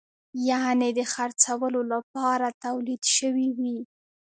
یعنې د خرڅولو لپاره تولید شوی وي.